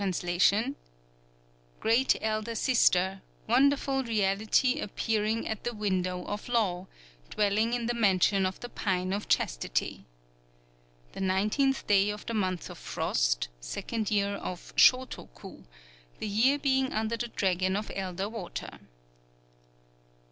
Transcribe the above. [Translation: Great Elder Sister, WONDERFUL REALITY APPEARING AT THE WINDOW OF LAW, dwelling in the Mansion of the Pine of Chastity. The nineteenth day of the Month of Frost, second year of Shōtoku, the year being under the Dragon of Elder Water.